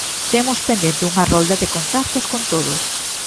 Temos pendente unha rolda de contactos con todos.